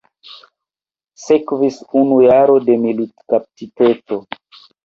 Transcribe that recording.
Sekvis unu jaro de militkaptiteco.